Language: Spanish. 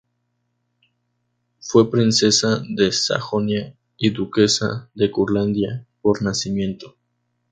Fue princesa de Sajonia y duquesa de Curlandia por nacimiento.